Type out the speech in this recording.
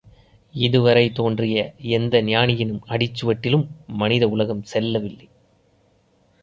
இதுவரை தோன்றிய எந்த ஞானியின் அடிச்சுவட்டிலும் மனித உலகம் செல்லவில்லை.